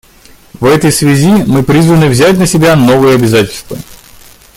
В этой связи мы призваны взять на себя новые обязательства.